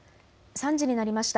３時になりました。